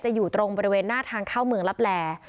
อยู่ตรงบริเวณหน้าทางเข้าเมืองลับแล